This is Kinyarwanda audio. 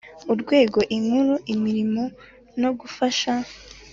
urwego inkuru irimo no gufasha